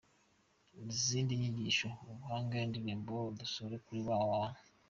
Izindi nyigisho, ubuhamya, indirimbo, dusure kuri www.